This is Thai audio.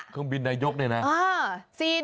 เครื่องบินนายกเลยนะอ่า